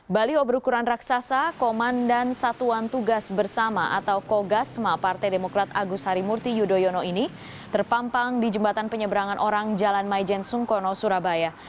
baliho berukuran raksasa komandan satuan tugas bersama atau kogasma partai demokrat agus harimurti yudhoyono ini terpampang di jembatan penyeberangan orang jalan maijen sungkono surabaya